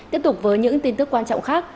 tiếp tục với những tin tức quan trọng khác